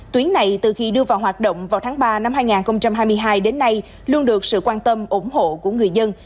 tuyến này từ khi đưa vào hoạt động vào tháng ba năm hai nghìn hai mươi hai đến nay luôn được sự quan tâm ủng hộ của người dân